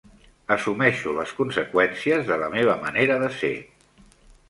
Assumeixo les conseqüències de la meva manera de ser.